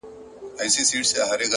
مهرباني نړۍ نرموي!.